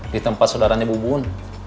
di tempat saudaranya bubun